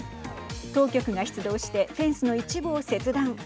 当局が出動してフェンスの一部を切断。